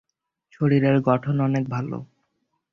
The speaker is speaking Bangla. শরীরের গঠন অনেক ভালো।